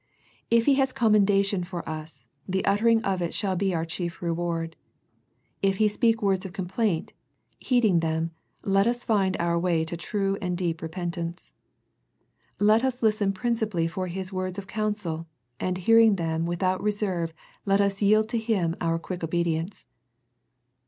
If He has commendation for us, the uttering of it shall be our chief reward. If He speak words of complaint, heeding them, let us find our way to true and deep repentance. Let us listen principally for His words of counsel, and hearing them without reserve let us yield to Him our quick obedience.